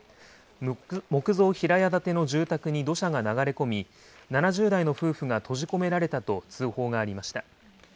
木造平屋建ての住宅に土砂が流れ込み、７０代の夫婦が閉じ込められたと通報がありました。